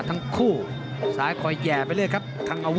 ครับครับครับครับครับครับครับครับ